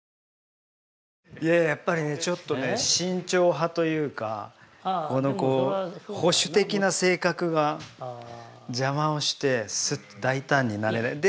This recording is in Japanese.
いややっぱりねちょっとね慎重派というかこの保守的な性格が邪魔をしてすっと大胆になれない。